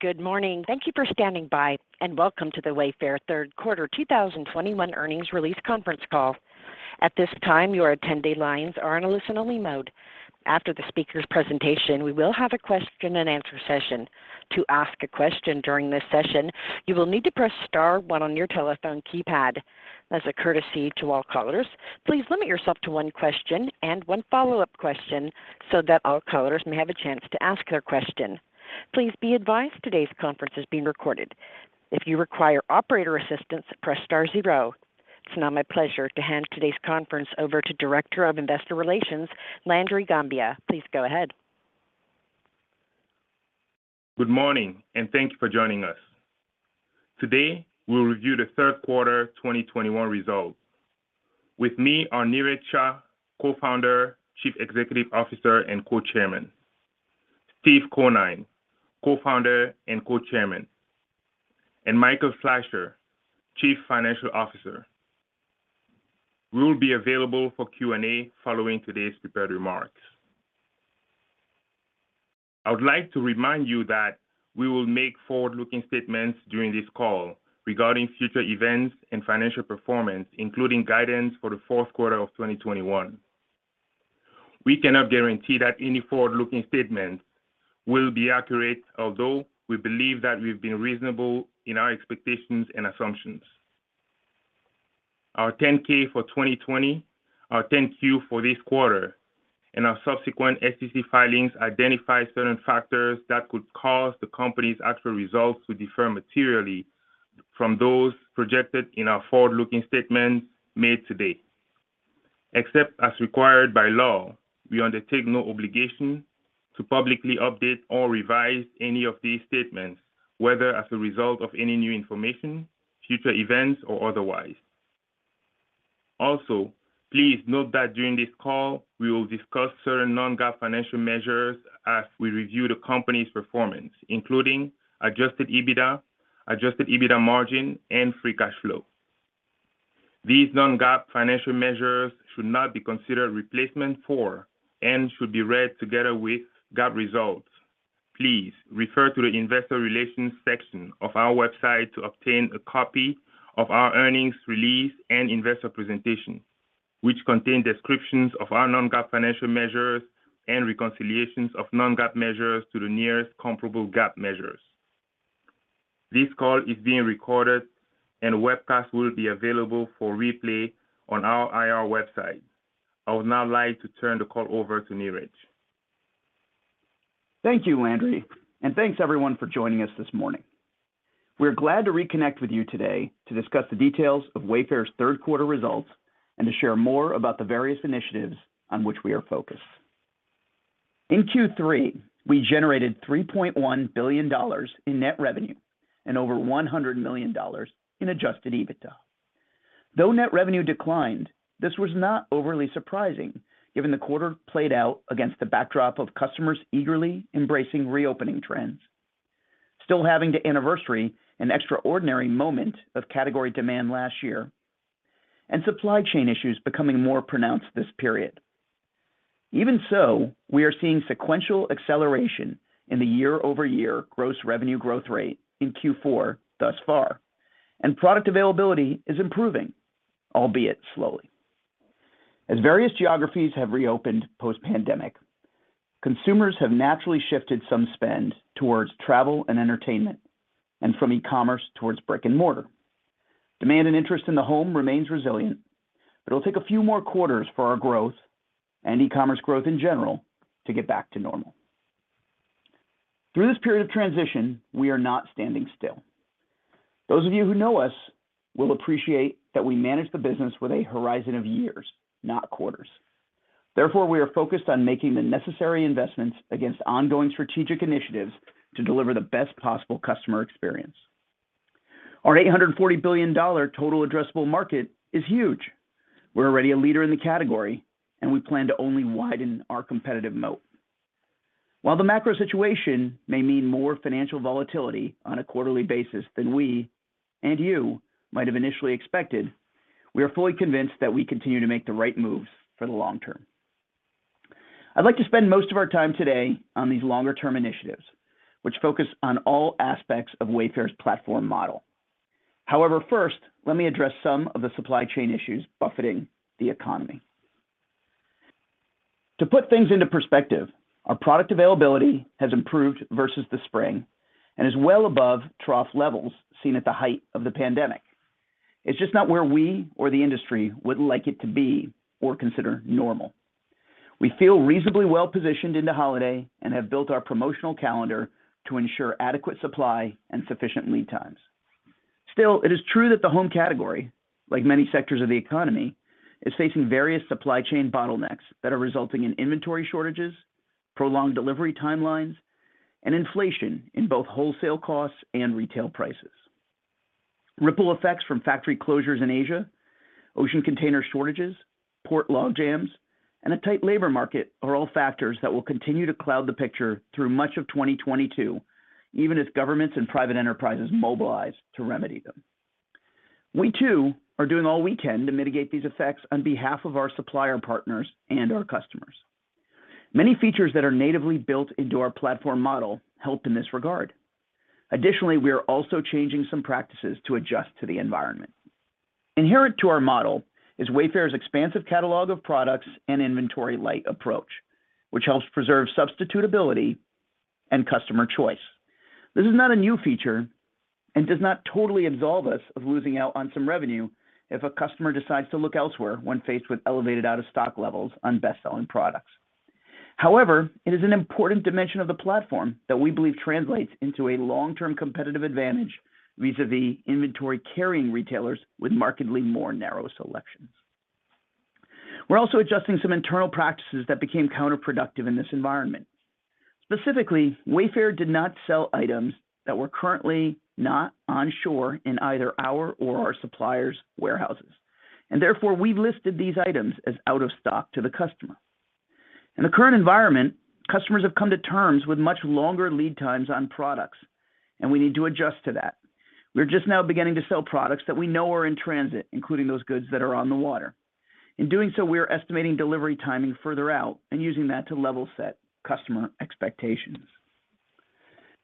Good morning. Thank you for standing by, and welcome to the Wayfair Third Quarter 2021 Earnings Release Conference Call. At this time, your attendee lines are on a listen-only mode. After the speaker's presentation, we will have a question-and-answer session. To ask a question during this session, you will need to press star one on your telephone keypad. As a courtesy to all callers, please limit yourself to one question and one follow-up question so that all callers may have a chance to ask their question. Please be advised today's conference is being recorded. If you require operator assistance, press star zero. It's now my pleasure to hand today's conference over to Director of Investor Relations, Landry Ngambia. Please go ahead. Good morning, and thank you for joining us. Today, we'll review the third quarter 2021 results. With me are Niraj Shah, Co-Founder, Chief Executive Officer, and Co-Chairman. Steve Conine, Co-Founder and Co-Chairman, and Michael Fleisher, Chief Financial Officer. We will be available for Q&A following today's prepared remarks. I would like to remind you that we will make forward-looking statements during this call regarding future events and financial performance, including guidance for the fourth quarter of 2021. We cannot guarantee that any forward-looking statements will be accurate, although we believe that we've been reasonable in our expectations and assumptions. Our 10-K for 2020, our 10-Q for this quarter, and our subsequent SEC filings identify certain factors that could cause the company's actual results to differ materially from those projected in our forward-looking statements made today. Except as required by law, we undertake no obligation to publicly update or revise any of these statements, whether as a result of any new information, future events, or otherwise. Also, please note that during this call, we will discuss certain non-GAAP financial measures as we review the company's performance, including adjusted EBITDA, adjusted EBITDA margin, and free cash flow. These non-GAAP financial measures should not be considered replacement for and should be read together with GAAP results. Please refer to the investor relations section of our website to obtain a copy of our earnings release and investor presentation, which contain descriptions of our non-GAAP financial measures and reconciliations of non-GAAP measures to the nearest comparable GAAP measures. This call is being recorded and a webcast will be available for replay on our IR website. I would now like to turn the call over to Niraj. Thank you, Landry, and thanks everyone for joining us this morning. We're glad to reconnect with you today to discuss the details of Wayfair's third quarter results and to share more about the various initiatives on which we are focused. In Q3, we generated $3.1 billion in net revenue and over $100 million in adjusted EBITDA. Though net revenue declined, this was not overly surprising, given the quarter played out against the backdrop of customers eagerly embracing reopening trends, still having to anniversary an extraordinary moment of category demand last year, and supply chain issues becoming more pronounced this period. Even so, we are seeing sequential acceleration in the year-over-year gross revenue growth rate in Q4 thus far, and product availability is improving, albeit slowly. As various geographies have reopened post-pandemic, consumers have naturally shifted some spend towards travel and entertainment and from e-commerce towards brick-and-mortar. Demand and interest in the home remains resilient, but it'll take a few more quarters for our growth and e-commerce growth in general to get back to normal. Through this period of transition, we are not standing still. Those of you who know us will appreciate that we manage the business with a horizon of years, not quarters. Therefore, we are focused on making the necessary investments against ongoing strategic initiatives to deliver the best possible customer experience. Our $840 billion total addressable market is huge. We're already a leader in the category, and we plan to only widen our competitive moat. While the macro situation may mean more financial volatility on a quarterly basis than we and you might have initially expected, we are fully convinced that we continue to make the right moves for the long term. I'd like to spend most of our time today on these longer-term initiatives, which focus on all aspects of Wayfair's platform model. However, first, let me address some of the supply chain issues buffeting the economy. To put things into perspective, our product availability has improved versus the spring and is well above trough levels seen at the height of the pandemic. It's just not where we or the industry would like it to be or consider normal. We feel reasonably well-positioned in the holiday and have built our promotional calendar to ensure adequate supply and sufficient lead times. Still, it is true that the home category, like many sectors of the economy, is facing various supply chain bottlenecks that are resulting in inventory shortages, prolonged delivery timelines, and inflation in both wholesale costs and retail prices. Ripple effects from factory closures in Asia, ocean container shortages, port logjams, and a tight labor market are all factors that will continue to cloud the picture through much of 2022, even as governments and private enterprises mobilize to remedy them. We too are doing all we can to mitigate these effects on behalf of our supplier partners and our customers. Many features that are natively built into our platform model help in this regard. Additionally, we are also changing some practices to adjust to the environment. Inherent to our model is Wayfair's expansive catalog of products and inventory-light approach, which helps preserve substitutability and customer choice. This is not a new feature and does not totally absolve us of losing out on some revenue if a customer decides to look elsewhere when faced with elevated out-of-stock levels on best-selling products. However, it is an important dimension of the platform that we believe translates into a long-term competitive advantage vis-a-vis inventory-carrying retailers with markedly more narrow selections. We're also adjusting some internal practices that became counterproductive in this environment. Specifically, Wayfair did not sell items that were currently not on shore in either our or our suppliers' warehouses, and therefore we listed these items as out of stock to the customer. In the current environment, customers have come to terms with much longer lead times on products, and we need to adjust to that. We're just now beginning to sell products that we know are in transit, including those goods that are on the water. In doing so, we are estimating delivery timing further out and using that to level set customer expectations.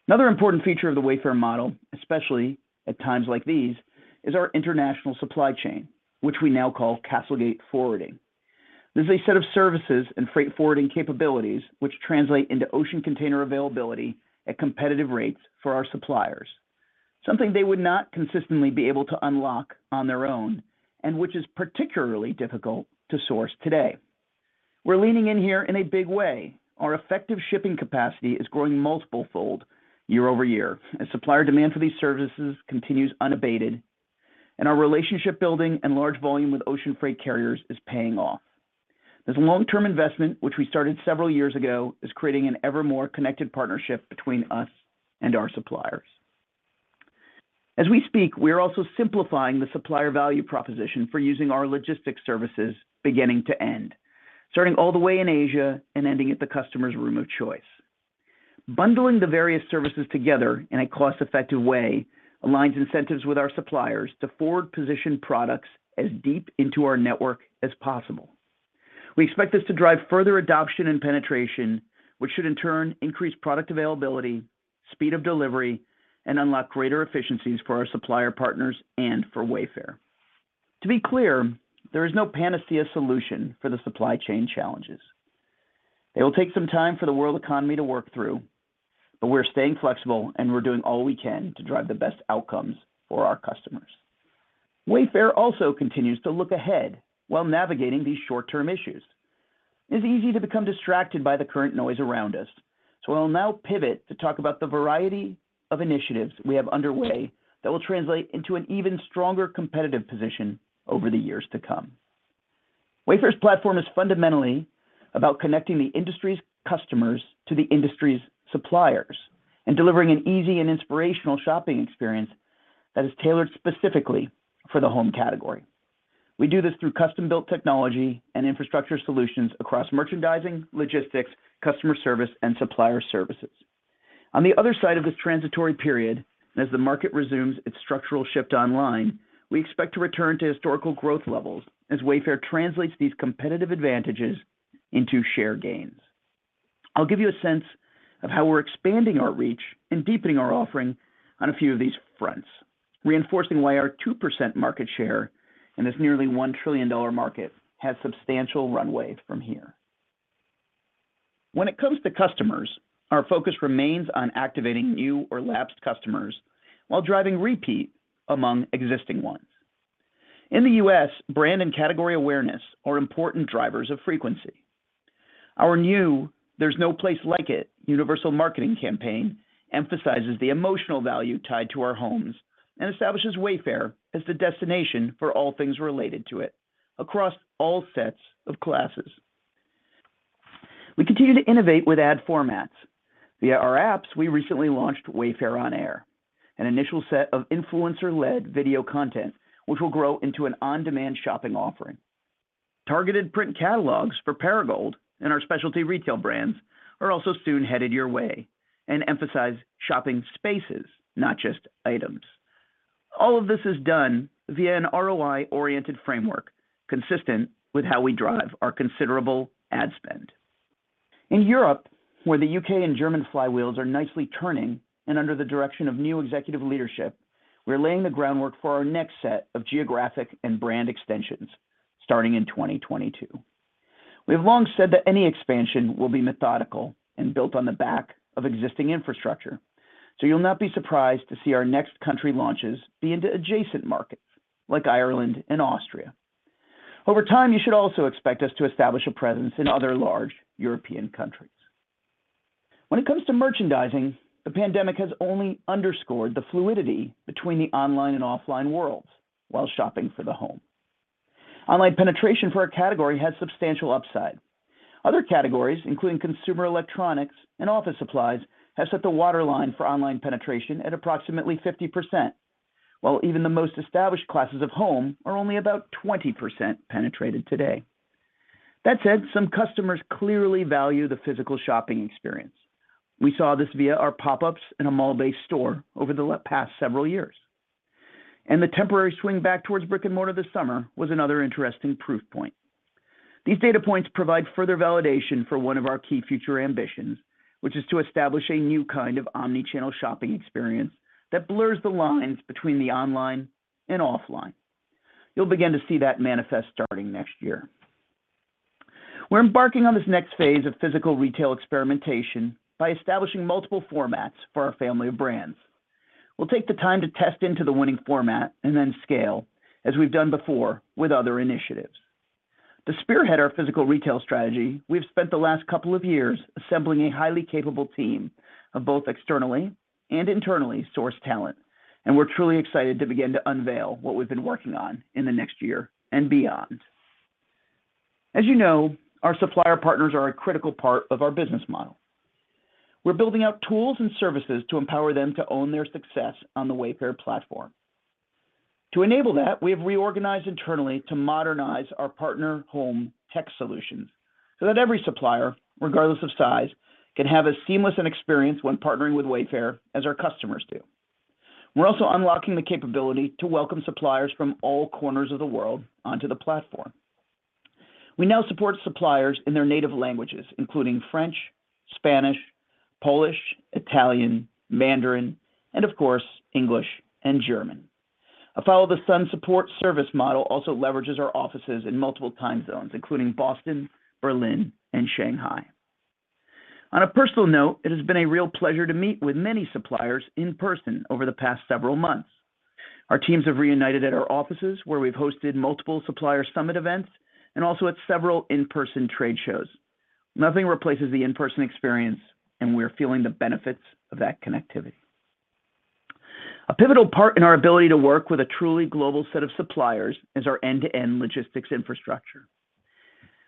Another important feature of the Wayfair model, especially at times like these, is our international supply chain, which we now call CastleGate Forwarding. This is a set of services and freight forwarding capabilities which translate into ocean container availability at competitive rates for our suppliers, something they would not consistently be able to unlock on their own and which is particularly difficult to source today. We're leaning in here in a big way. Our effective shipping capacity is growing multiple-fold year-over-year as supplier demand for these services continues unabated, and our relationship building and large volume with ocean freight carriers is paying off. This long-term investment, which we started several years ago, is creating an ever more connected partnership between us and our suppliers. As we speak, we are also simplifying the supplier value proposition for using our logistics services beginning to end, starting all the way in Asia and ending at the customer's room of choice. Bundling the various services together in a cost-effective way aligns incentives with our suppliers to forward position products as deep into our network as possible. We expect this to drive further adoption and penetration, which should in turn increase product availability, speed of delivery, and unlock greater efficiencies for our supplier partners and for Wayfair. To be clear, there is no panacea solution for the supply chain challenges. It will take some time for the world economy to work through, but we're staying flexible and we're doing all we can to drive the best outcomes for our customers. Wayfair also continues to look ahead while navigating these short-term issues. It is easy to become distracted by the current noise around us, so I will now pivot to talk about the variety of initiatives we have underway that will translate into an even stronger competitive position over the years to come. Wayfair's platform is fundamentally about connecting the industry's customers to the industry's suppliers and delivering an easy and inspirational shopping experience that is tailored specifically for the home category. We do this through custom-built technology and infrastructure solutions across merchandising, logistics, customer service, and supplier services. On the other side of this transitory period, as the market resumes its structural shift online, we expect to return to historical growth levels as Wayfair translates these competitive advantages into share gains. I'll give you a sense of how we're expanding our reach and deepening our offering on a few of these fronts, reinforcing why our 2% market share in this nearly $1 trillion market has substantial runway from here. When it comes to customers, our focus remains on activating new or lapsed customers while driving repeat among existing ones. In the U.S., brand and category awareness are important drivers of frequency. Our new There's No Place Like It universal marketing campaign emphasizes the emotional value tied to our homes and establishes Wayfair as the destination for all things related to it across all sets of classes. We continue to innovate with ad formats. Via our apps, we recently launched Wayfair On Air, an initial set of influencer-led video content, which will grow into an on-demand shopping offering. Targeted print catalogs for Perigold and our specialty retail brands are also soon headed your way and emphasize shopping spaces, not just items. All of this is done via an ROI-oriented framework consistent with how we drive our considerable ad spend. In Europe, where the U.K. and German flywheels are nicely turning and under the direction of new executive leadership, we're laying the groundwork for our next set of geographic and brand extensions starting in 2022. We have long said that any expansion will be methodical and built on the back of existing infrastructure, so you'll not be surprised to see our next country launches be into adjacent markets like Ireland and Austria. Over time, you should also expect us to establish a presence in other large European countries. When it comes to merchandising, the pandemic has only underscored the fluidity between the online and offline worlds while shopping for the home. Online penetration for our category has substantial upside. Other categories, including consumer electronics and office supplies, have set the waterline for online penetration at approximately 50%, while even the most established classes of home are only about 20% penetrated today. That said, some customers clearly value the physical shopping experience. We saw this via our pop-ups in a mall-based store over the past several years. The temporary swing back towards brick and mortar this summer was another interesting proof point. These data points provide further validation for one of our key future ambitions, which is to establish a new kind of omni-channel shopping experience that blurs the lines between the online and offline. You'll begin to see that manifest starting next year. We're embarking on this next phase of physical retail experimentation by establishing multiple formats for our family of brands. We'll take the time to test into the winning format and then scale, as we've done before with other initiatives. To spearhead our physical retail strategy, we've spent the last couple of years assembling a highly capable team of both externally and internally sourced talent, and we're truly excited to begin to unveil what we've been working on in the next year and beyond. As you know, our supplier partners are a critical part of our business model. We're building out tools and services to empower them to own their success on the Wayfair platform. To enable that, we have reorganized internally to modernize our partner home tech solutions so that every supplier, regardless of size, can have as seamless an experience when partnering with Wayfair as our customers do. We're also unlocking the capability to welcome suppliers from all corners of the world onto the platform. We now support suppliers in their native languages, including French, Spanish, Polish, Italian, Mandarin, and of course, English and German. A follow-the-sun support service model also leverages our offices in multiple time zones, including Boston, Berlin, and Shanghai. On a personal note, it has been a real pleasure to meet with many suppliers in person over the past several months. Our teams have reunited at our offices, where we've hosted multiple supplier summit events and also at several in-person trade shows. Nothing replaces the in-person experience, and we're feeling the benefits of that connectivity. A pivotal part in our ability to work with a truly global set of suppliers is our end-to-end logistics infrastructure.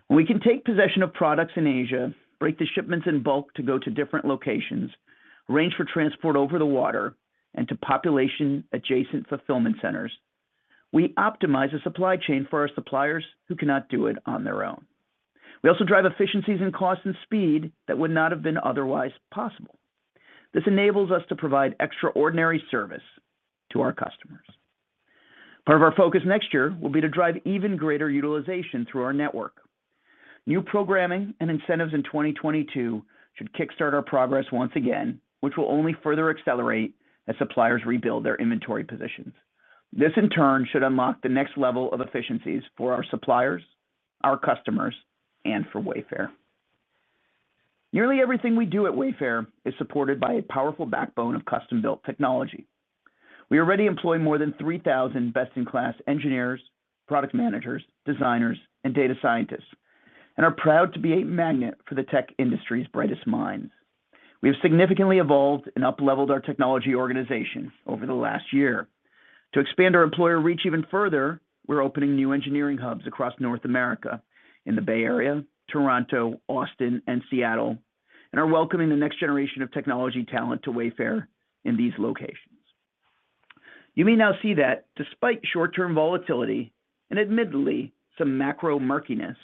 We can take possession of products in Asia, break the shipments in bulk to go to different locations, arrange for transport over the water and to population adjacent fulfillment centers. We optimize the supply chain for our suppliers who cannot do it on their own. We also drive efficiencies in cost and speed that would not have been otherwise possible. This enables us to provide extraordinary service to our customers. Part of our focus next year will be to drive even greater utilization through our network. New programming and incentives in 2022 should kickstart our progress once again, which will only further accelerate as suppliers rebuild their inventory positions. This, in turn, should unlock the next level of efficiencies for our suppliers, our customers, and for Wayfair. Nearly everything we do at Wayfair is supported by a powerful backbone of custom-built technology. We already employ more than 3,000 best-in-class engineers, product managers, designers, and data scientists, and are proud to be a magnet for the tech industry's brightest minds. We have significantly evolved and upleveled our technology organization over the last year. To expand our employer reach even further, we're opening new engineering hubs across North America in the Bay Area, Toronto, Austin, and Seattle, and are welcoming the next generation of technology talent to Wayfair in these locations. You may now see that despite short-term volatility and admittedly some macro murkiness,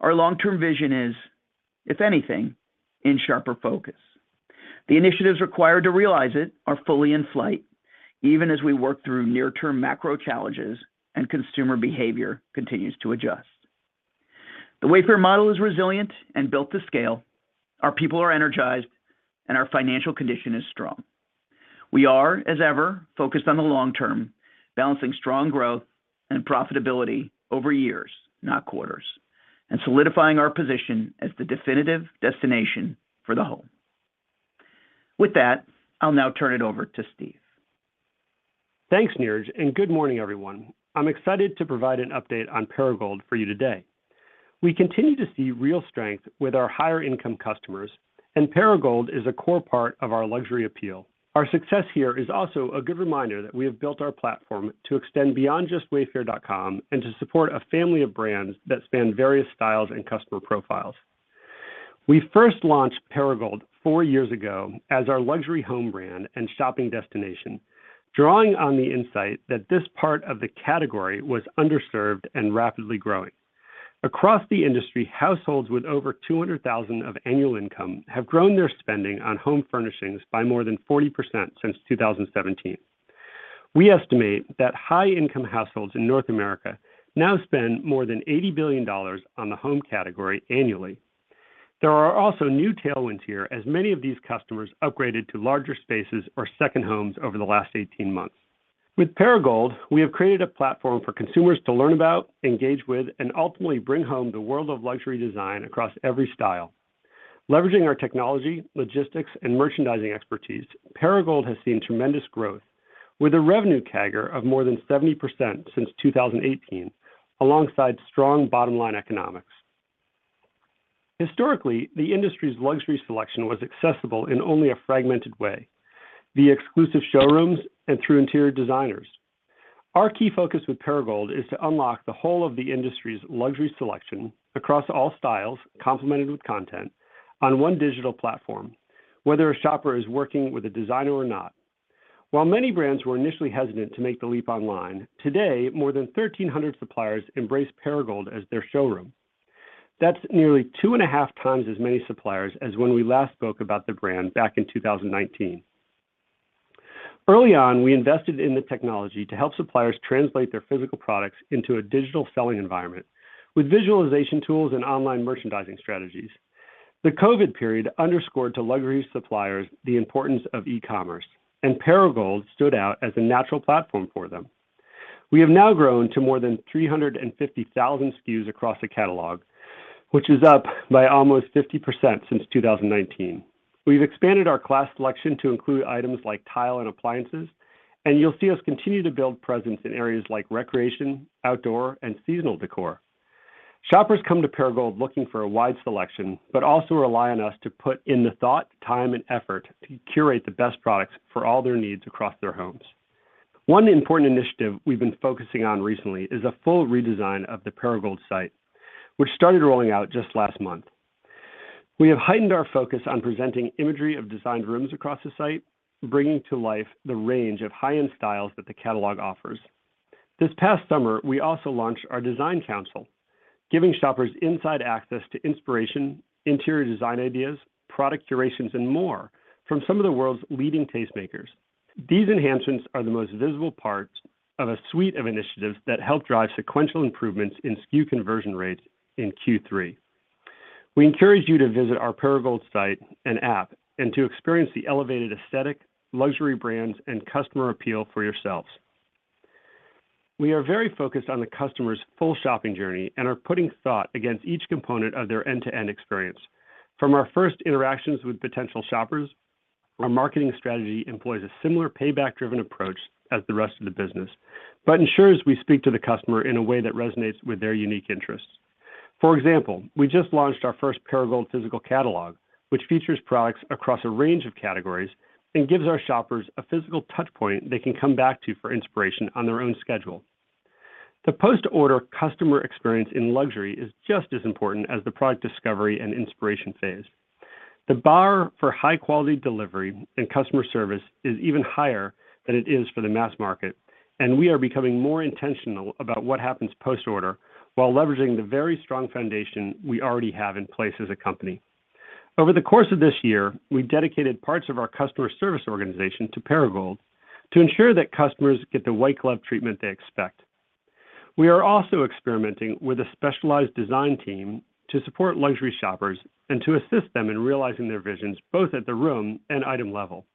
our long-term vision is, if anything, in sharper focus. The initiatives required to realize it are fully in flight, even as we work through near-term macro challenges and consumer behavior continues to adjust. The Wayfair model is resilient and built to scale. Our people are energized, and our financial condition is strong. We are, as ever, focused on the long term, balancing strong growth and profitability over years, not quarters, and solidifying our position as the definitive destination for the home. With that, I'll now turn it over to Steve. Thanks, Niraj, and good morning, everyone. I'm excited to provide an update on Perigold for you today. We continue to see real strength with our higher-income customers, and Perigold is a core part of our luxury appeal. Our success here is also a good reminder that we have built our platform to extend beyond just wayfair.com and to support a family of brands that span various styles and customer profiles. We first launched Perigold four years ago as our luxury home brand and shopping destination, drawing on the insight that this part of the category was underserved and rapidly growing. Across the industry, households with over $200,000 of annual income have grown their spending on home furnishings by more than 40% since 2017. We estimate that high-income households in North America now spend more than $80 billion on the home category annually. There are also new tailwinds here, as many of these customers upgraded to larger spaces or second homes over the last 18 months. With Perigold, we have created a platform for consumers to learn about, engage with, and ultimately bring home the world of luxury design across every style. Leveraging our technology, logistics, and merchandising expertise, Perigold has seen tremendous growth with a revenue CAGR of more than 70% since 2018, alongside strong bottom-line economics. Historically, the industry's luxury selection was accessible in only a fragmented way, via exclusive showrooms and through interior designers. Our key focus with Perigold is to unlock the whole of the industry's luxury selection across all styles, complemented with content on one digital platform, whether a shopper is working with a designer or not. While many brands were initially hesitant to make the leap online, today, more than 1,300 suppliers embrace Perigold as their showroom. That's nearly 2.5x as many suppliers as when we last spoke about the brand back in 2019. Early on, we invested in the technology to help suppliers translate their physical products into a digital selling environment with visualization tools and online merchandising strategies. The COVID period underscored to luxury suppliers the importance of e-commerce, and Perigold stood out as a natural platform for them. We have now grown to more than 350,000 SKUs across the catalog, which is up by almost 50% since 2019. We've expanded our class selection to include items like tile and appliances, and you'll see us continue to build presence in areas like recreation, outdoor, and seasonal decor. Shoppers come to Perigold looking for a wide selection, but also rely on us to put in the thought, time, and effort to curate the best products for all their needs across their homes. One important initiative we've been focusing on recently is a full redesign of the Perigold site, which started rolling out just last month. We have heightened our focus on presenting imagery of designed rooms across the site, bringing to life the range of high-end styles that the catalog offers. This past summer, we also launched our Design Council, giving shoppers inside access to inspiration, interior design ideas, product curations, and more from some of the world's leading tastemakers. These enhancements are the most visible parts of a suite of initiatives that help drive sequential improvements in SKU conversion rates in Q3. We encourage you to visit our Perigold site and app and to experience the elevated aesthetic, luxury brands, and customer appeal for yourselves. We are very focused on the customer's full shopping journey and are putting thought against each component of their end-to-end experience. From our first interactions with potential shoppers, our marketing strategy employs a similar payback-driven approach as the rest of the business, but ensures we speak to the customer in a way that resonates with their unique interests. For example, we just launched our first Perigold physical catalog, which features products across a range of categories and gives our shoppers a physical touchpoint they can come back to for inspiration on their own schedule. The post-order customer experience in luxury is just as important as the product discovery and inspiration phase. The bar for high-quality delivery and customer service is even higher than it is for the mass market, and we are becoming more intentional about what happens post-order while leveraging the very strong foundation we already have in place as a company. Over the course of this year, we dedicated parts of our customer service organization to Perigold to ensure that customers get the white glove treatment they expect. We are also experimenting with a specialized design team to support luxury shoppers and to assist them in realizing their visions, both at the room and item level.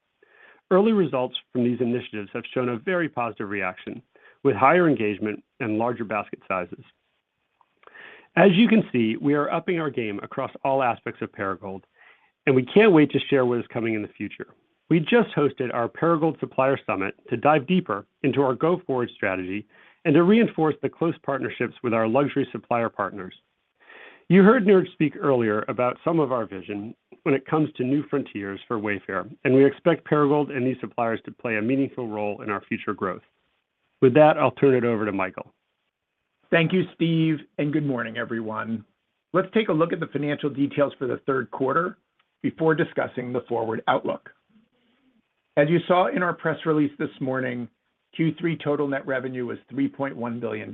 Early results from these initiatives have shown a very positive reaction with higher engagement and larger basket sizes. As you can see, we are upping our game across all aspects of Perigold, and we can't wait to share what is coming in the future. We just hosted our Perigold Supplier Summit to dive deeper into our go-forward strategy and to reinforce the close partnerships with our luxury supplier partners. You heard Niraj speak earlier about some of our vision when it comes to new frontiers for Wayfair, and we expect Perigold and these suppliers to play a meaningful role in our future growth. With that, I'll turn it over to Michael. Thank you, Steve, and good morning, everyone. Let's take a look at the financial details for the third quarter before discussing the forward outlook. As you saw in our press release this morning, Q3 total net revenue was $3.1 billion,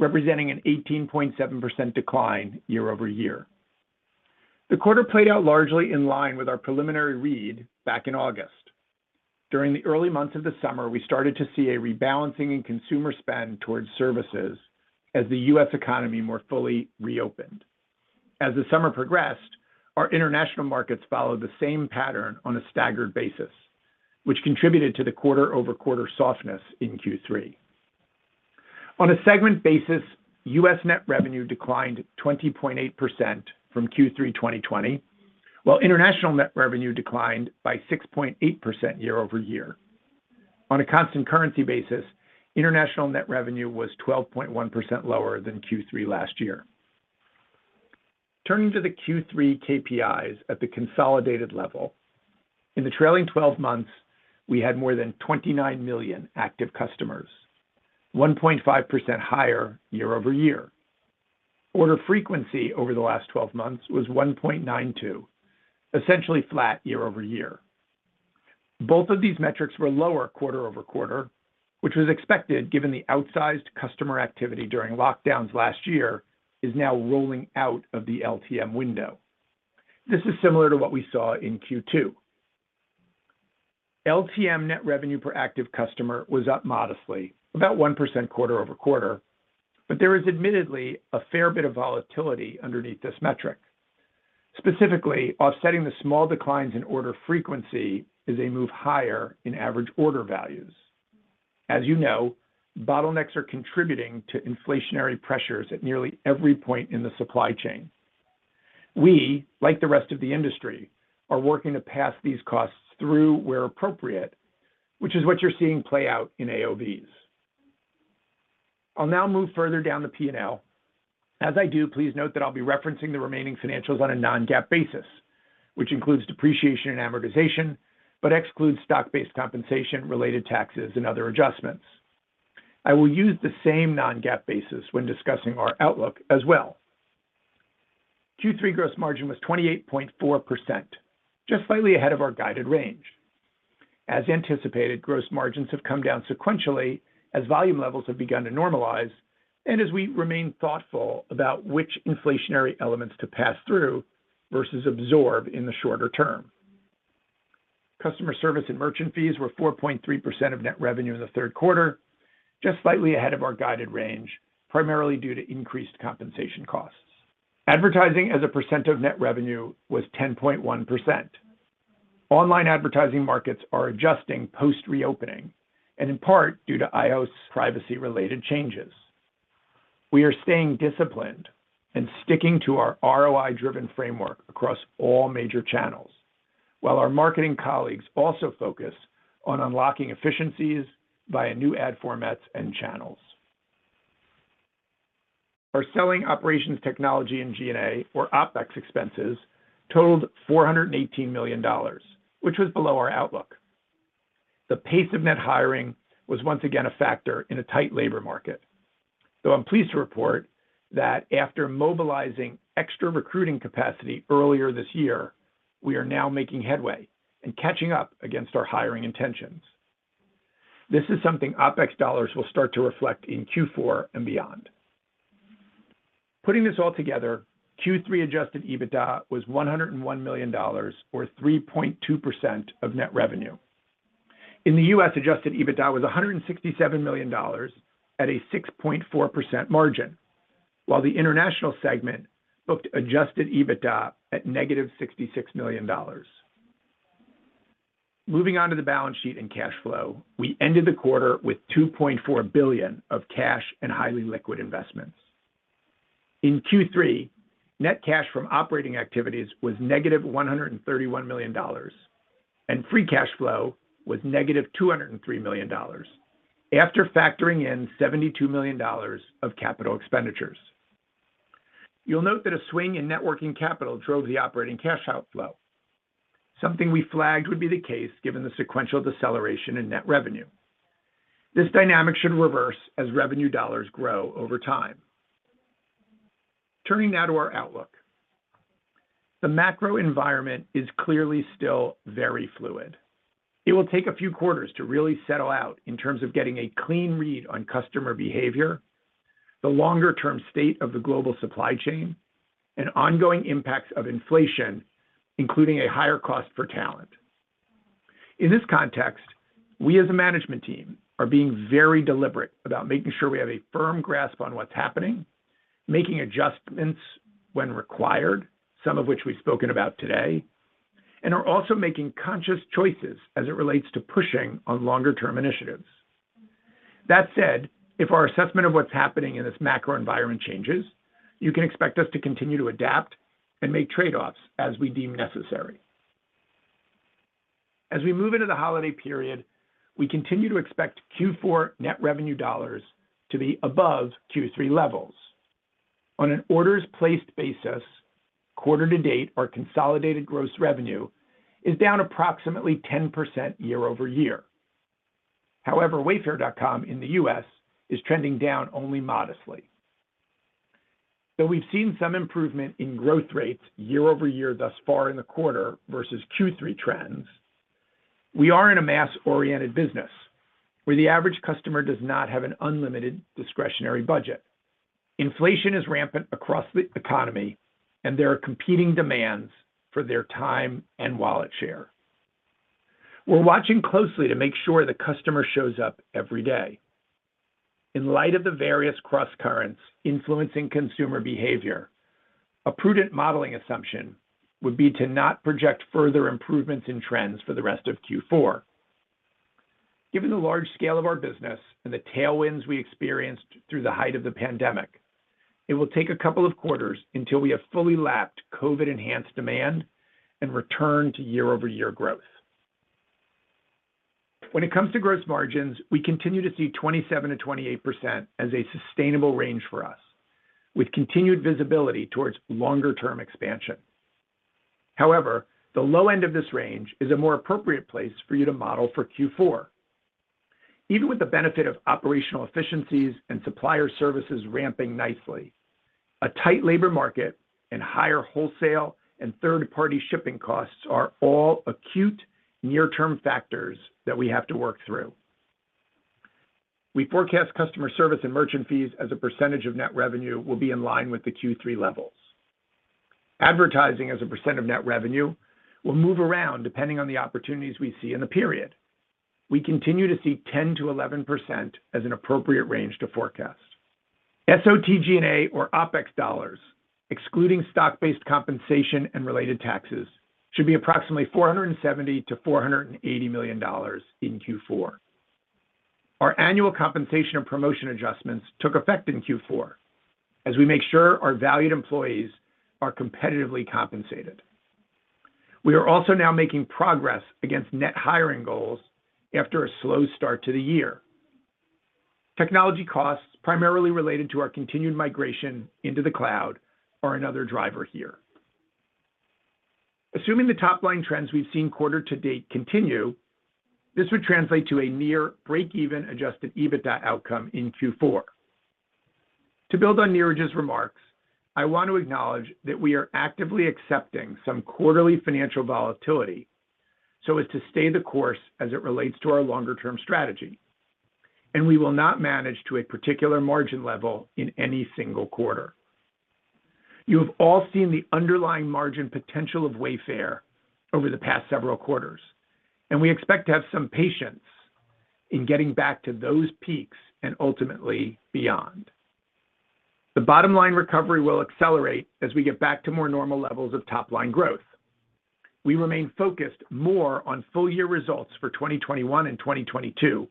representing an 18.7% decline year-over-year. The quarter played out largely in line with our preliminary read back in August. During the early months of the summer, we started to see a rebalancing in consumer spend towards services as the U.S. economy more fully reopened. As the summer progressed, our international markets followed the same pattern on a staggered basis, which contributed to the quarter-over-quarter softness in Q3. On a segment basis, U.S. net revenue declined 20.8% from Q3 2020, while international net revenue declined by 6.8% year-over-year. On a constant currency basis, international net revenue was 12.1% lower than Q3 last year. Turning to the Q3 KPIs at the consolidated level. In the trailing 12 months, we had more than 29 million active customers, 1.5% higher year-over-year. Order frequency over the last 12 months was 1.92, essentially flat year-over-year. Both of these metrics were lower quarter-over-quarter, which was expected given the outsized customer activity during lockdowns last year is now rolling out of the LTM window. This is similar to what we saw in Q2. LTM net revenue per active customer was up modestly, about 1% quarter-over-quarter, but there is admittedly a fair bit of volatility underneath this metric. Specifically, offsetting the small declines in order frequency is a move higher in average order values. As you know, bottlenecks are contributing to inflationary pressures at nearly every point in the supply chain. We, like the rest of the industry, are working to pass these costs through where appropriate, which is what you're seeing play out in AOVs. I'll now move further down the P&L. As I do, please note that I'll be referencing the remaining financials on a non-GAAP basis, which includes depreciation and amortization, but excludes stock-based compensation, related taxes, and other adjustments. I will use the same non-GAAP basis when discussing our outlook as well. Q3 gross margin was 28.4%, just slightly ahead of our guided range. As anticipated, gross margins have come down sequentially as volume levels have begun to normalize and as we remain thoughtful about which inflationary elements to pass through versus absorb in the shorter term. Customer service and merchant fees were 4.3% of net revenue in the third quarter, just slightly ahead of our guided range, primarily due to increased compensation costs. Advertising as a percent of net revenue was 10.1%. Online advertising markets are adjusting post-reopening and in part due to iOS privacy-related changes. We are staying disciplined and sticking to our ROI-driven framework across all major channels, while our marketing colleagues also focus on unlocking efficiencies via new ad formats and channels. Our selling, operations, technology, and G&A, or OpEx expenses totaled $418 million, which was below our outlook. The pace of net hiring was once again a factor in a tight labor market, though I'm pleased to report that after mobilizing extra recruiting capacity earlier this year, we are now making headway and catching up against our hiring intentions. This is something OpEx dollars will start to reflect in Q4 and beyond. Putting this all together, Q3 adjusted EBITDA was $101 million, or 3.2% of net revenue. In the U.S., adjusted EBITDA was $167 million at a 6.4% margin, while the international segment booked adjusted EBITDA at -$66 million. Moving on to the balance sheet and cash flow, we ended the quarter with $2.4 billion of cash and highly liquid investments. In Q3, net cash from operating activities was -$131 million, and free cash flow was -$203 million after factoring in $72 million of capital expenditures. You'll note that a swing in net working capital drove the operating cash outflow, something we flagged would be the case given the sequential deceleration in net revenue. This dynamic should reverse as revenue dollars grow over time. Turning now to our outlook. The macro environment is clearly still very fluid. It will take a few quarters to really settle out in terms of getting a clean read on customer behavior, the longer-term state of the global supply chain, and ongoing impacts of inflation, including a higher cost per talent. In this context, we as a management team are being very deliberate about making sure we have a firm grasp on what's happening, making adjustments when required, some of which we've spoken about today, and are also making conscious choices as it relates to pushing on longer term initiatives. That said, if our assessment of what's happening in this macro environment changes, you can expect us to continue to adapt and make trade-offs as we deem necessary. As we move into the holiday period, we continue to expect Q4 net revenue dollars to be above Q3 levels. On an orders placed basis, quarter to date, our consolidated gross revenue is down approximately 10% year-over-year. However, wayfair.com in the U.S. is trending down only modestly. Though we've seen some improvement in growth rates year-over-year thus far in the quarter versus Q3 trends, we are in a mass-oriented business where the average customer does not have an unlimited discretionary budget. Inflation is rampant across the economy, and there are competing demands for their time and wallet share. We're watching closely to make sure the customer shows up every day. In light of the various crosscurrents influencing consumer behavior, a prudent modeling assumption would be to not project further improvements in trends for the rest of Q4. Given the large scale of our business and the tailwinds we experienced through the height of the pandemic, it will take a couple of quarters until we have fully lapped COVID-enhanced demand and return to year-over-year growth. When it comes to gross margins, we continue to see 27%-28% as a sustainable range for us with continued visibility towards longer-term expansion. However, the low end of this range is a more appropriate place for you to model for Q4. Even with the benefit of operational efficiencies and supplier services ramping nicely, a tight labor market and higher wholesale and third-party shipping costs are all acute near-term factors that we have to work through. We forecast customer service and merchant fees as a percentage of net revenue will be in line with the Q3 levels. Advertising as a % of net revenue will move around depending on the opportunities we see in the period. We continue to see 10%-11% as an appropriate range to forecast. SOTG&A or OpEx dollars, excluding stock-based compensation and related taxes, should be approximately $470 million-$480 million in Q4. Our annual compensation and promotion adjustments took effect in Q4 as we make sure our valued employees are competitively compensated. We are also now making progress against net hiring goals after a slow start to the year. Technology costs, primarily related to our continued migration into the cloud, are another driver here. Assuming the top-line trends we've seen quarter to date continue, this would translate to a near break-even adjusted EBITDA outcome in Q4. To build on Niraj's remarks, I want to acknowledge that we are actively accepting some quarterly financial volatility so as to stay the course as it relates to our longer-term strategy. We will not manage to a particular margin level in any single quarter. You have all seen the underlying margin potential of Wayfair over the past several quarters, and we expect to have some patience in getting back to those peaks and ultimately beyond. The bottom line recovery will accelerate as we get back to more normal levels of top-line growth. We remain focused more on full-year results for 2021 and 2022,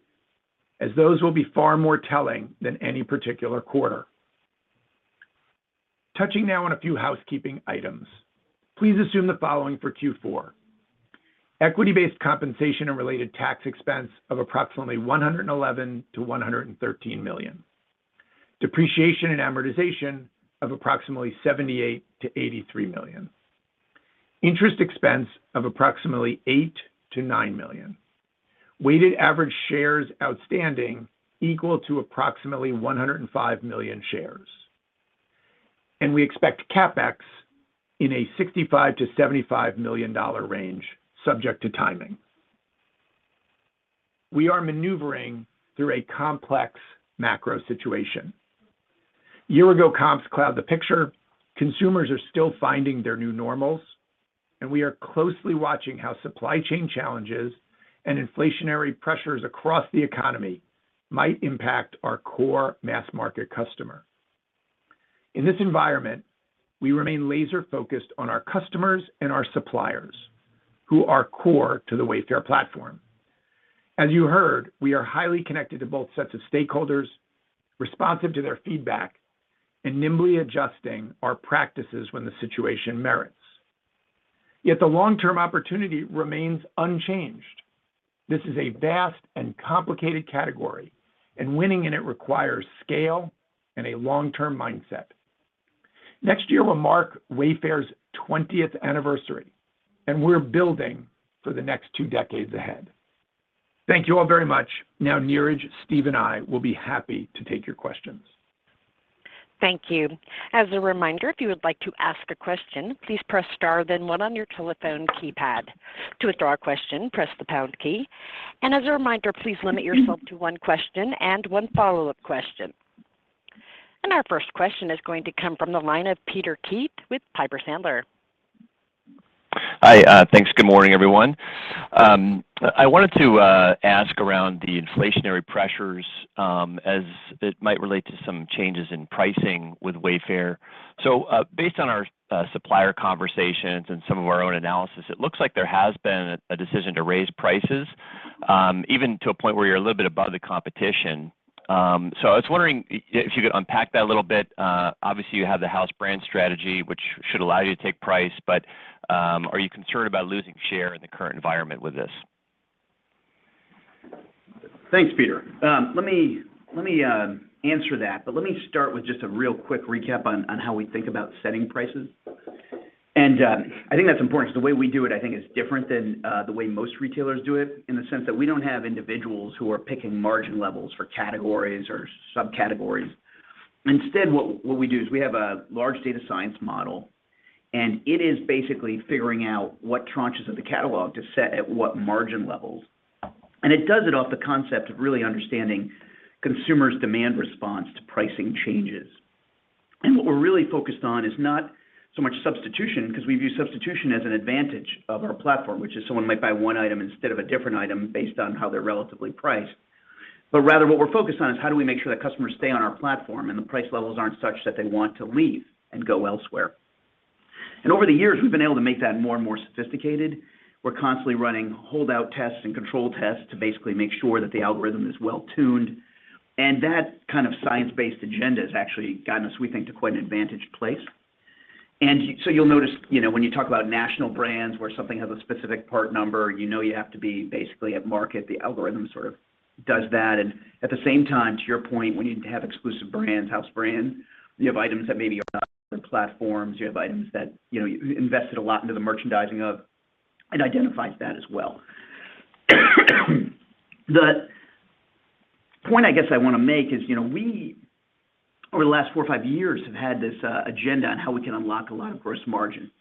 as those will be far more telling than any particular quarter. Touching now on a few housekeeping items. Please assume the following for Q4. Equity-based compensation and related tax expense of approximately $111 million-$113 million. Depreciation and amortization of approximately $78 million-$83 million. Interest expense of approximately $8 million-$9 million. Weighted average shares outstanding equal to approximately 105 million shares. We expect CapEx in a $65 million-$75 million range, subject to timing. We are maneuvering through a complex macro situation. Year-ago comps cloud the picture, consumers are still finding their new normals, and we are closely watching how supply chain challenges and inflationary pressures across the economy might impact our core mass market customer. In this environment, we remain laser-focused on our customers and our suppliers who are core to the Wayfair platform. As you heard, we are highly connected to both sets of stakeholders, responsive to their feedback, and nimbly adjusting our practices when the situation merits. Yet the long-term opportunity remains unchanged. This is a vast and complicated category, and winning in it requires scale and a long-term mindset. Next year will mark Wayfair's twentieth anniversary, and we're building for the next two decades ahead. Thank you all very much. Now, Niraj, Steve, and I will be happy to take your questions. Thank you. As a reminder, if you would like to ask a question, please press star then one on your telephone keypad. To withdraw a question, press the pound key. As a reminder, please limit yourself to one question and one follow-up question. Our first question is going to come from the line of Peter Keith with Piper Sandler. Hi. Thanks. Good morning, everyone. I wanted to ask about the inflationary pressures as it might relate to some changes in pricing with Wayfair. Based on our supplier conversations and some of our own analysis, it looks like there has been a decision to raise prices even to a point where you're a little bit above the competition. I was wondering if you could unpack that a little bit. Obviously, you have the house brand strategy, which should allow you to take price, but are you concerned about losing share in the current environment with this? Thanks, Peter. Let me answer that, but let me start with just a real quick recap on how we think about setting prices. I think that's important because the way we do it, I think, is different than the way most retailers do it in the sense that we don't have individuals who are picking margin levels for categories or subcategories. Instead, what we do is we have a large data science model, and it is basically figuring out what tranches of the catalog to set at what margin levels. It does it off the concept of really understanding consumers' demand response to pricing changes. What we're really focused on is not so much substitution, because we view substitution as an advantage of our platform, which is someone might buy one item instead of a different item based on how they're relatively priced. Rather, what we're focused on is how do we make sure that customers stay on our platform, and the price levels aren't such that they want to leave and go elsewhere. Over the years, we've been able to make that more and more sophisticated. We're constantly running holdout tests and control tests to basically make sure that the algorithm is well tuned. That kind of science-based agenda has actually gotten us, we think, to quite an advantaged place. You'll notice, you know, when you talk about national brands where something has a specific part number, you know you have to be basically at market. The algorithm sort of does that. At the same time, to your point, when you have exclusive brands, house brands, you have items that maybe are not on other platforms. You have items that, you know, you invested a lot into the merchandising of and identifies that as well. The point I guess I want to make is, you know, we over the last 4 or 5 years have had this agenda on how we can unlock a lot of gross margin.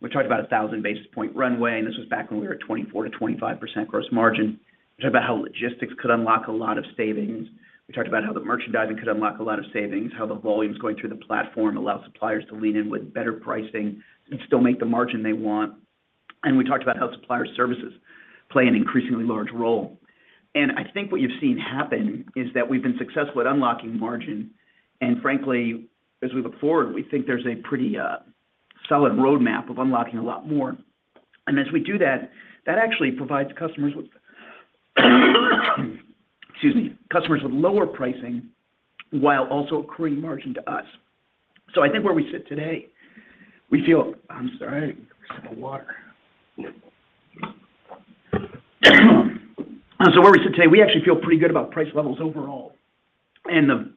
We talked about a 1,000 basis point runway, and this was back when we were at 24%-25% gross margin. We talked about how logistics could unlock a lot of savings. We talked about how the merchandising could unlock a lot of savings, how the volumes going through the platform allow suppliers to lean in with better pricing and still make the margin they want. We talked about how supplier services play an increasingly large role. I think what you've seen happen is that we've been successful at unlocking margin. Frankly, as we look forward, we think there's a pretty solid roadmap of unlocking a lot more. As we do that actually provides customers with lower pricing while also accruing margin to us. I think where we sit today, we actually feel pretty good about price levels overall. The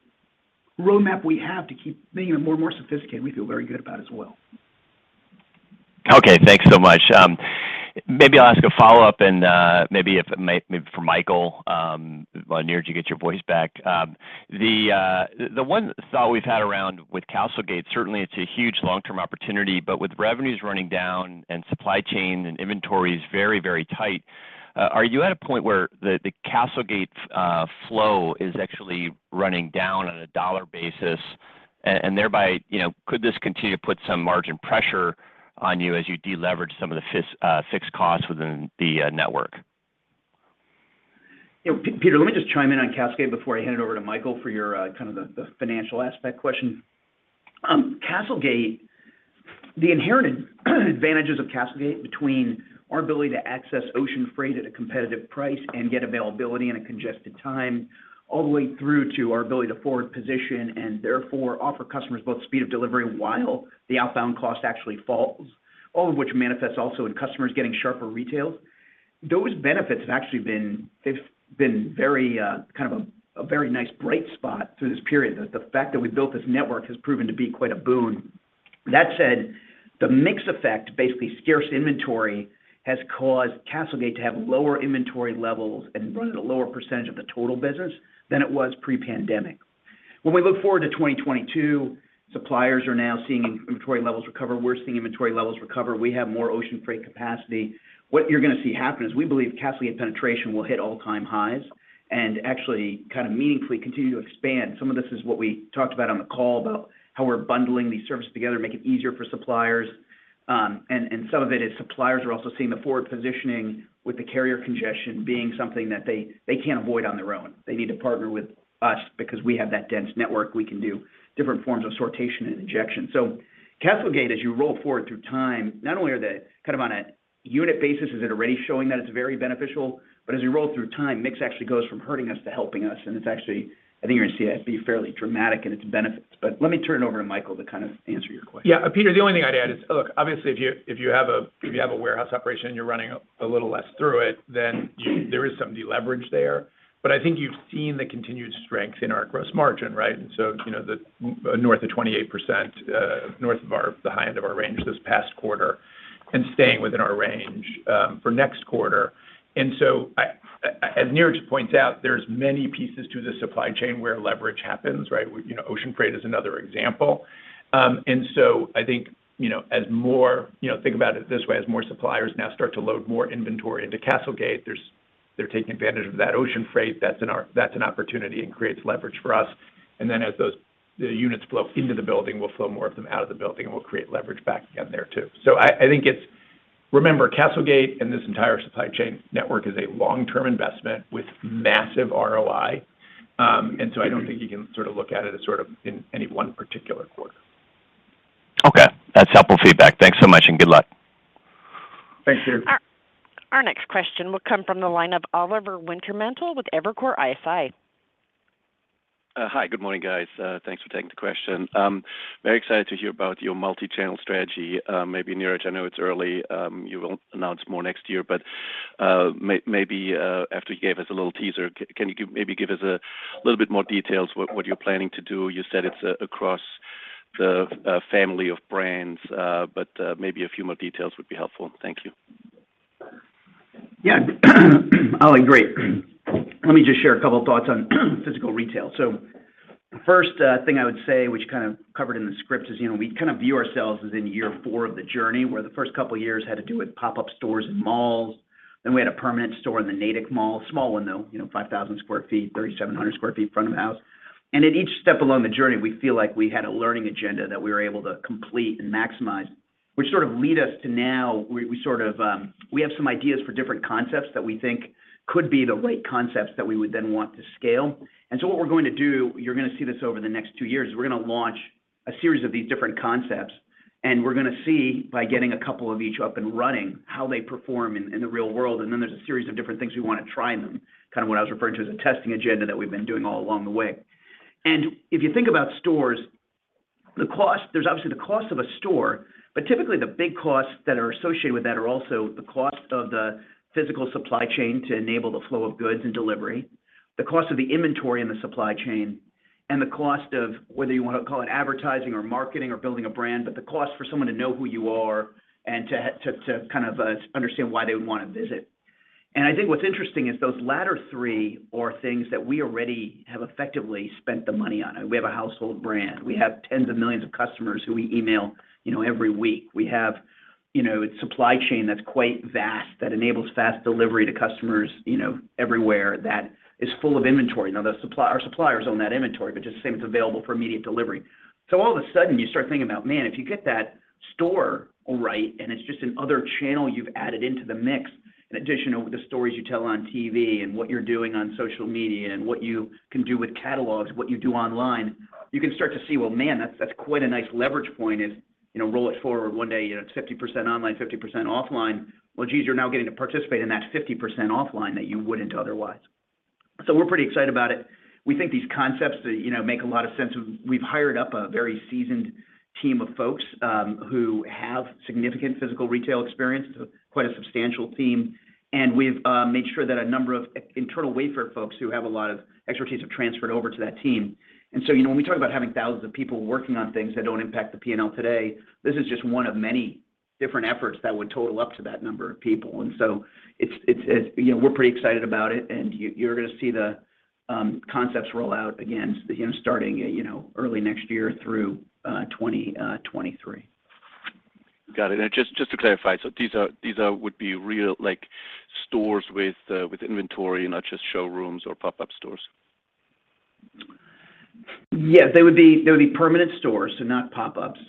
roadmap we have to keep making it more and more sophisticated, we feel very good about as well. Okay, thanks so much. Maybe I'll ask a follow-up and maybe for Michael, while Niraj, you get your voice back. The one thought we've had around with CastleGate, certainly it's a huge long-term opportunity, but with revenues running down and supply chain and inventories very, very tight, are you at a point where the CastleGate's flow is actually running down on a dollar basis? And thereby, you know, could this continue to put some margin pressure on you as you de-leverage some of the fixed costs within the network? Yeah. Peter, let me just chime in on CastleGate before I hand it over to Michael for your kind of the financial aspect question. CastleGate, the inherent advantages of CastleGate between our ability to access ocean freight at a competitive price and get availability in a congested time all the way through to our ability to forward position and therefore offer customers both speed of delivery while the outbound cost actually falls, all of which manifests also in customers getting sharper retails. Those benefits have actually been very kind of a very nice bright spot through this period. The fact that we built this network has proven to be quite a boon. That said, the mix effect, basically scarce inventory, has caused CastleGate to have lower inventory levels and run at a lower percentage of the total business than it was pre-pandemic. When we look forward to 2022, suppliers are now seeing inventory levels recover. We're seeing inventory levels recover. We have more ocean freight capacity. What you're gonna see happen is we believe CastleGate penetration will hit all-time highs and actually kind of meaningfully continue to expand. Some of this is what we talked about on the call about how we're bundling these services together, make it easier for suppliers. Some of it is suppliers are also seeing the forward positioning with the carrier congestion being something that they can't avoid on their own. They need to partner with us because we have that dense network. We can do different forms of sortation and injection. CastleGate, as you roll forward through time, not only are they kind of on a unit basis, is it already showing that it's very beneficial, but as you roll through time, mix actually goes from hurting us to helping us, and it's actually I think you're gonna see it be fairly dramatic in its benefits. Let me turn it over to Michael to kind of answer your question. Yeah. Peter, the only thing I'd add is, look, obviously, if you have a warehouse operation and you're running a little less through it, then there is some deleverage there. But I think you've seen the continued strength in our gross margin, right? You know, north of 28%, north of the high end of our range this past quarter and staying within our range for next quarter. I, as Niraj points out, there's many pieces to the supply chain where leverage happens, right? You know, ocean freight is another example. I think, you know, as more suppliers now start to load more inventory into CastleGate, they're taking advantage of that ocean freight. That's an opportunity and creates leverage for us. As those units flow into the building, we'll flow more of them out of the building, and we'll create leverage back again there too. I think it's. Remember, CastleGate and this entire supply chain network is a long-term investment with massive ROI. I don't think you can sort of look at it as sort of in any one particular quarter. Okay. That's helpful feedback. Thanks so much, and good luck. Thanks, Peter. Our next question will come from the line of Oliver Wintermantel with Evercore ISI. Hi. Good morning, guys. Thanks for taking the question. Very excited to hear about your multi-channel strategy. Maybe Niraj, I know it's early, you will announce more next year, but maybe after you gave us a little teaser, maybe give us a little bit more details what you're planning to do? You said it's across the family of brands, but maybe a few more details would be helpful. Thank you. Yeah. Oli, great. Let me just share a couple of thoughts on physical retail. The first thing I would say, which we kind of covered in the script, is, you know, we kind of view ourselves as in year 4 of the journey, where the first couple of years had to do with pop-up stores in malls. We had a permanent store in the Natick Mall. Small one, though, you know, 5,000 sq ft, 3,700 sq ft front of house. At each step along the journey, we feel like we had a learning agenda that we were able to complete and maximize, which sort of lead us to now, we sort of have some ideas for different concepts that we think could be the right concepts that we would then want to scale. What we're going to do, you're gonna see this over the next 2 years, is we're gonna launch a series of these different concepts, and we're gonna see, by getting a couple of each up and running, how they perform in the real world. Then there's a series of different things we wanna try in them, kind of what I was referring to as a testing agenda that we've been doing all along the way. If you think about stores, the cost, there's obviously the cost of a store, but typically the big costs that are associated with that are also the cost of the physical supply chain to enable the flow of goods and delivery, the cost of the inventory in the supply chain, and the cost of whether you wanna call it advertising or marketing or building a brand, but the cost for someone to know who you are and to kind of understand why they would wanna visit. I think what's interesting is those latter three are things that we already have effectively spent the money on. We have a household brand. We have tens of millions of customers who we email, you know, every week. We have, you know, a supply chain that's quite vast that enables fast delivery to customers, you know, everywhere that is full of inventory. Now, the supplier, our suppliers own that inventory, but just saying it's available for immediate delivery. All of a sudden you start thinking about, man, if you get that store all right and it's just another channel you've added into the mix, in addition with the stories you tell on TV and what you're doing on social media and what you can do with catalogs, what you do online, you can start to see, well, man, that's quite a nice leverage point is, you know, roll it forward one day, you know, it's 50% online, 50% offline. Well, geez, you're now getting to participate in that 50% offline that you wouldn't otherwise. So we're pretty excited about it. We think these concepts, you know, make a lot of sense. We've hired up a very seasoned team of folks who have significant physical retail experience, so quite a substantial team. We've made sure that a number of internal Wayfair folks who have a lot of expertise have transferred over to that team. You know, when we talk about having thousands of people working on things that don't impact the P&L today, this is just one of many different efforts that would total up to that number of people. You know, we're pretty excited about it, and you're gonna see the concepts roll out again, you know, starting early next year through 2023. Got it. Just to clarify, these are real, like, stores with inventory, not just showrooms or pop-up stores. Yes. They would be permanent stores, so not pop-ups.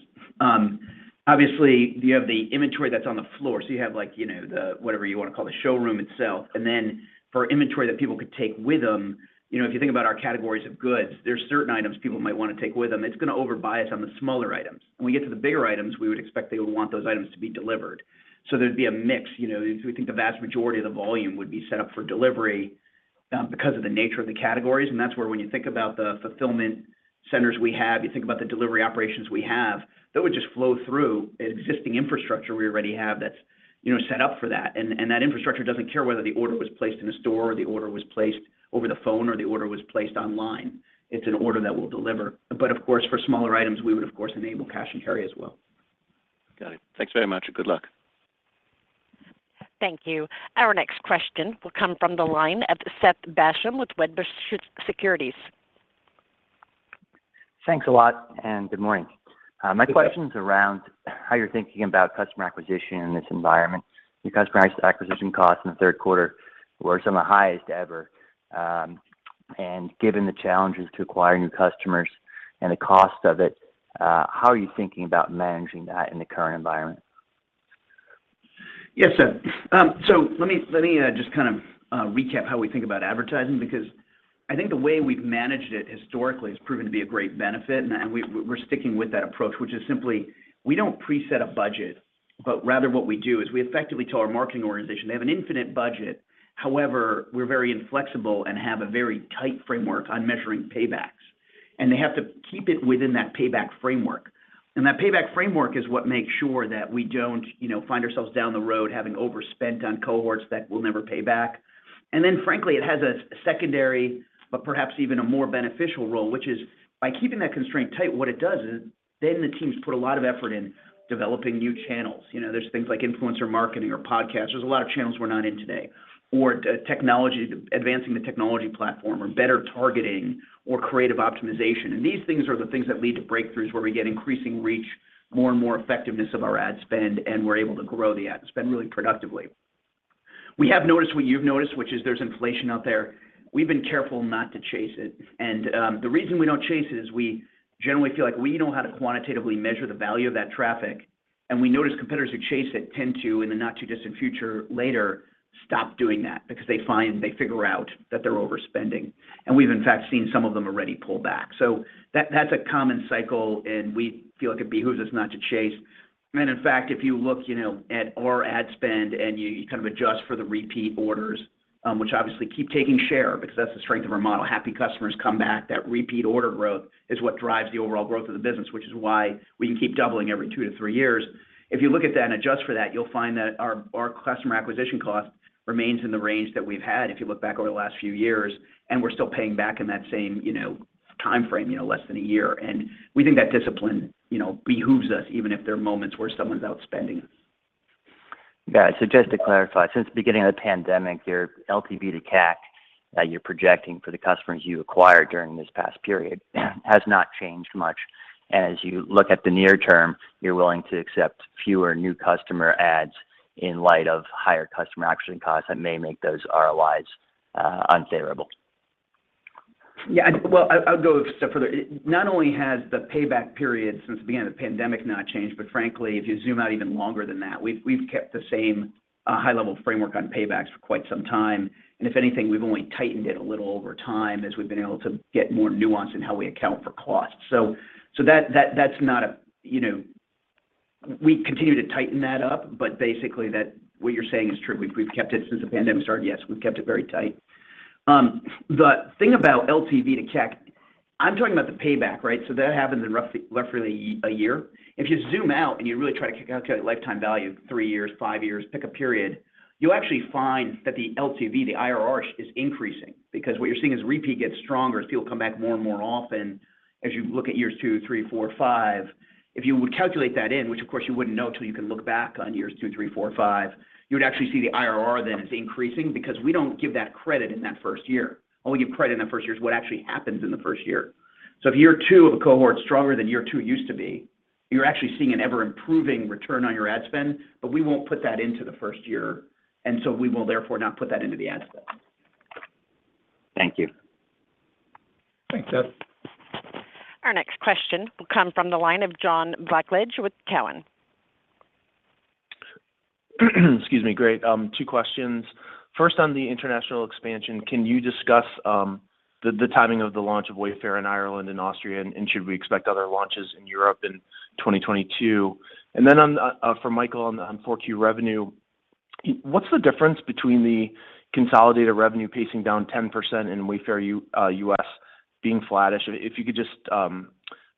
Obviously you have the inventory that's on the floor, so you have like, you know, the, whatever you wanna call the showroom itself. For inventory that people could take with them, you know, if you think about our categories of goods, there's certain items people might wanna take with them. It's gonna over-bias on the smaller items. When we get to the bigger items, we would expect they would want those items to be delivered. There'd be a mix. You know, we think the vast majority of the volume would be set up for delivery, because of the nature of the categories. That's where when you think about the fulfillment centers we have, you think about the delivery operations we have, that would just flow through existing infrastructure we already have that's, you know, set up for that. That infrastructure doesn't care whether the order was placed in a store, or the order was placed over the phone, or the order was placed online. It's an order that we'll deliver. Of course, for smaller items, we would of course enable cash and carry as well. Got it. Thanks very much, and good luck. Thank you. Our next question will come from the line of Seth Basham with Wedbush Securities. Thanks a lot, and good morning. Good morning. My question's around how you're thinking about customer acquisition in this environment. Your customer acquisition costs in the third quarter were some of the highest ever. Given the challenges to acquiring new customers and the cost of it, how are you thinking about managing that in the current environment? Yes, Seth. So let me just kind of recap how we think about advertising because I think the way we've managed it historically has proven to be a great benefit, and we're sticking with that approach, which is simply we don't preset a budget, but rather what we do is we effectively tell our marketing organization they have an infinite budget. However, we're very inflexible and have a very tight framework on measuring paybacks, and they have to keep it within that payback framework. That payback framework is what makes sure that we don't, you know, find ourselves down the road having overspent on cohorts that will never pay back. Frankly, it has a secondary, but perhaps even a more beneficial role, which is by keeping that constraint tight, what it does is then the teams put a lot of effort in developing new channels. You know, there's things like influencer marketing or podcasts. There's a lot of channels we're not in today. Technology, advancing the technology platform, or better targeting or creative optimization. These things are the things that lead to breakthroughs where we get increasing reach, more and more effectiveness of our ad spend, and we're able to grow the ad spend really productively. We have noticed what you've noticed, which is there's inflation out there. We've been careful not to chase it. The reason we don't chase it is we generally feel like we know how to quantitatively measure the value of that traffic, and we notice competitors who chase it tend to, in the not too distant future, later stop doing that because they find, they figure out that they're overspending. We've in fact seen some of them already pull back. That, that's a common cycle, and we feel it behooves us not to chase. In fact, if you look, you know, at our ad spend and you kind of adjust for the repeat orders, which obviously keep taking share because that's the strength of our model. Happy customers come back. That repeat order growth is what drives the overall growth of the business, which is why we can keep doubling every 2-3 years. If you look at that and adjust for that, you'll find that our customer acquisition cost remains in the range that we've had if you look back over the last few years, and we're still paying back in that same, you know, timeframe, you know, less than a year. We think that discipline, you know, behooves us even if there are moments where someone's outspending us. Got it. Just to clarify, since the beginning of the pandemic, your LTV to CAC that you're projecting for the customers you acquired during this past period has not changed much. As you look at the near term, you're willing to accept fewer new customer ads in light of higher customer acquisition costs that may make those ROIs unfavorable. Yeah. Well, I'll go a step further. Not only has the payback period since the beginning of the pandemic not changed, but frankly, if you zoom out even longer than that, we've kept the same high level framework on paybacks for quite some time. If anything, we've only tightened it a little over time as we've been able to get more nuance in how we account for cost. That, that's not a, you know. We continue to tighten that up, but basically that's what you're saying is true. We've kept it since the pandemic started. Yes, we've kept it very tight. The thing about LTV to CAC, I'm talking about the payback, right? That happens in roughly a year. If you zoom out and you really try to calculate lifetime value, 3 years, 5 years, pick a period, you'll actually find that the LTV, the IRR is increasing because what you're seeing is repeat gets stronger as people come back more and more often as you look at years 2, 3, 4, 5. If you would calculate that in, which of course you wouldn't know till you can look back on years 2, 3, 4, 5, you would actually see the IRR then is increasing because we don't give that credit in that first year. All we give credit in that 1st year is what actually happens in the first year. If year 2 of a cohort's stronger than year 2 used to be, you're actually seeing an ever improving return on your ad spend, but we won't put that into the first year, and so we will therefore not put that into the ad spend. Thank you. Thanks, Seth. Our next question will come from the line of John Blackledge with Cowen. Excuse me. Great. Two questions. First, on the international expansion, can you discuss the timing of the launch of Wayfair in Ireland and Austria, and should we expect other launches in Europe in 2022? Then on, for Michael on the, on 4Q revenue, what's the difference between the consolidated revenue pacing down 10% and Wayfair U.S. being flattish? If you could just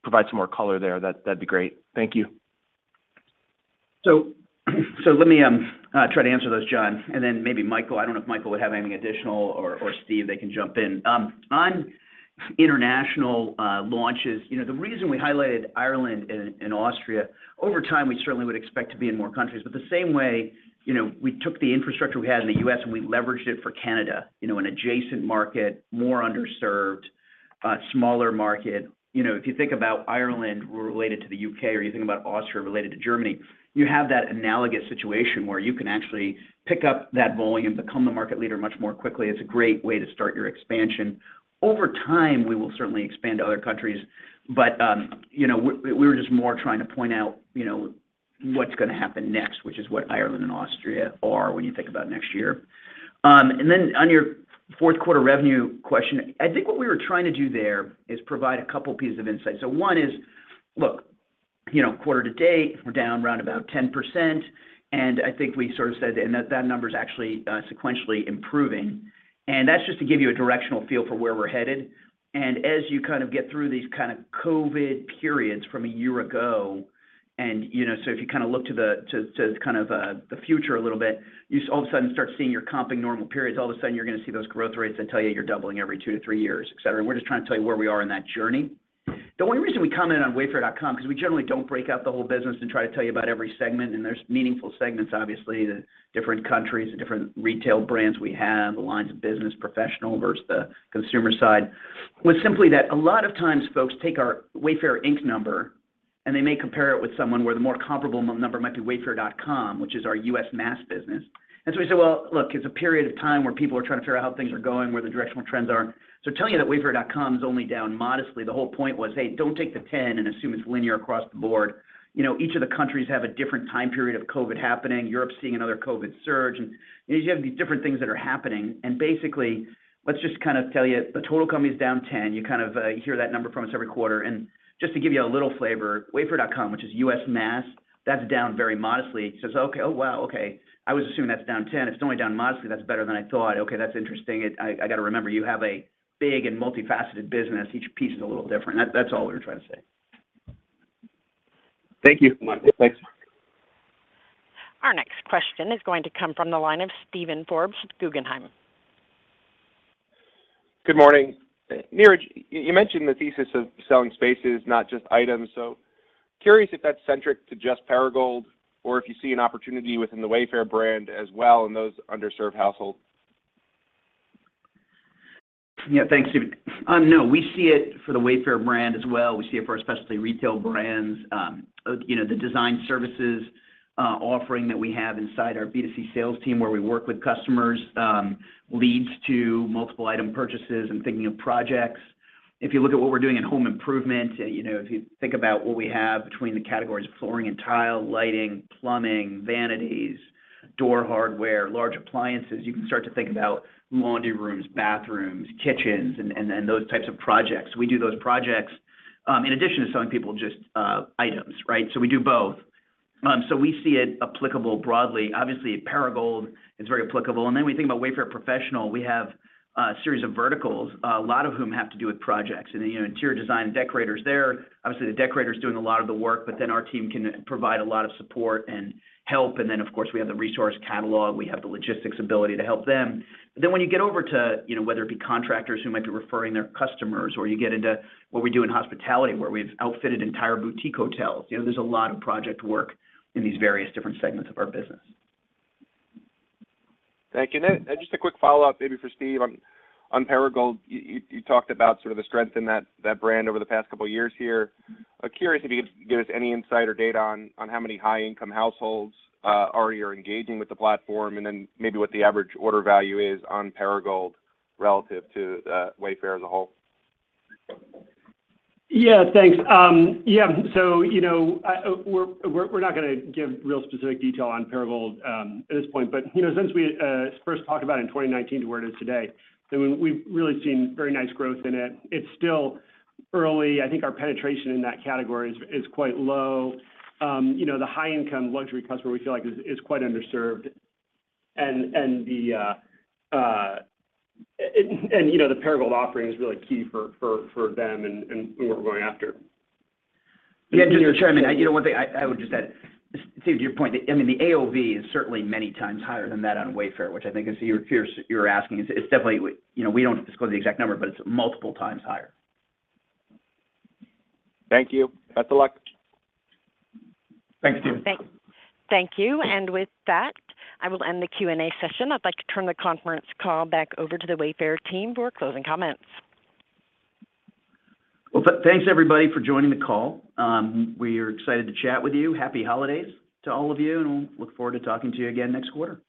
provide some more color there, that'd be great. Thank you. Let me try to answer those, John, and then maybe Michael. I don't know if Michael would have anything additional, or Steve, they can jump in. On international launches, you know, the reason we highlighted Ireland and Austria, over time, we certainly would expect to be in more countries. The same way, you know, we took the infrastructure we had in the U.S. and we leveraged it for Canada, you know, an adjacent market, more underserved, smaller market. You know, if you think about Ireland related to the U.K., or you think about Austria related to Germany, you have that analogous situation where you can actually pick up that volume, become the market leader much more quickly. It's a great way to start your expansion. Over time, we will certainly expand to other countries. You know, we were just more trying to point out, you know, what's gonna happen next, which is what Ireland and Austria are when you think about next year. On your fourth quarter revenue question, I think what we were trying to do there is provide a couple pieces of insight. One is, look, you know, quarter to date, we're down around about 10%, and I think we sort of said that, and that number's actually sequentially improving. That's just to give you a directional feel for where we're headed. As you kind of get through these kind of COVID periods from a year ago, and, you know, so if you kind of look to the future a little bit, you all of a sudden start seeing you're comping normal periods. All of a sudden, you're gonna see those growth rates that tell you you're doubling every two to three years, et cetera. We're just trying to tell you where we are in that journey. The only reason we comment on wayfair.com, because we generally don't break out the whole business and try to tell you about every segment, and there's meaningful segments, obviously, the different countries, the different retail brands we have, the lines of business, Professional versus the consumer side, was simply that a lot of times folks take our Wayfair Inc. number, and they may compare it with someone where the more comparable n-number might be wayfair.com, which is our U.S. mass business. We say, well, look, it's a period of time where people are trying to figure out how things are going, where the directional trends are. Telling you that wayfair.com is only down modestly, the whole point was, hey, don't take the 10 and assume it's linear across the board. You know, each of the countries have a different time period of COVID happening. Europe's seeing another COVID surge. You just have these different things that are happening. Basically, let's just kind of tell you the total company's down 10%. You kind of, you hear that number from us every quarter. Just to give you a little flavor, wayfair.com, which is U.S. mass, that's down very modestly. It's okay. Oh, wow, okay. I was assuming that's down 10%. It's only down modestly. That's better than I thought. Okay, that's interesting. I gotta remember you have a big and multifaceted business. Each piece is a little different. That's all we were trying to say. Thank you. Thanks. Our next question is going to come from the line of Steven Forbes with Guggenheim. Good morning. Niraj, you mentioned the thesis of selling spaces, not just items. Curious if that's centric to just Perigold, or if you see an opportunity within the Wayfair brand as well in those underserved households? Yeah, thanks, Steven. No, we see it for the Wayfair brand as well. We see it for our specialty retail brands. You know, the design services offering that we have inside our B2C sales team where we work with customers leads to multiple item purchases and thinking of projects. If you look at what we're doing in home improvement, you know, if you think about what we have between the categories of flooring and tile, lighting, plumbing, vanities, door hardware, large appliances, you can start to think about laundry rooms, bathrooms, kitchens, and those types of projects. We do those projects in addition to selling people just items, right? We do both. We see it applicable broadly. Obviously, Perigold is very applicable. We think about Wayfair Professional. We have a series of verticals, a lot of whom have to do with projects. You know, interior design decorators there, obviously the decorator's doing a lot of the work, but then our team can provide a lot of support and help. Of course, we have the resource catalog, we have the logistics ability to help them. When you get over to, you know, whether it be contractors who might be referring their customers, or you get into what we do in hospitality, where we've outfitted entire boutique hotels. You know, there's a lot of project work in these various different segments of our business. Thank you. Then just a quick follow-up maybe for Steve on Perigold. You talked about sort of the strength in that brand over the past couple years here. I'm curious if you could give us any insight or data on how many high-income households already are engaging with the platform, and then maybe what the average order value is on Perigold relative to Wayfair as a whole. Yeah, thanks. So, you know, we're not gonna give real specific detail on Perigold at this point. You know, since we first talked about it in 2019 to where it is today, I mean, we've really seen very nice growth in it. It's still early. I think our penetration in that category is quite low. You know, the high-income luxury customer we feel like is quite underserved. You know, the Perigold offering is really key for them and who we're going after. Yeah, just to chime in. You know, one thing I would just add. Steve, to your point, I mean, the AOV is certainly many times higher than that on Wayfair, which I think is what you're asking is. It's definitely. You know, we don't disclose the exact number, but it's multiple times higher. Thank you. Best of luck. Thanks, Steven. Thank you. With that, I will end the Q&A session. I'd like to turn the conference call back over to the Wayfair team for closing comments. Well, thanks everybody for joining the call. We are excited to chat with you. Happy holidays to all of you, and we'll look forward to talking to you again next quarter.